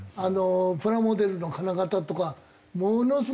プラモデルの金型とかものすごい１個作って。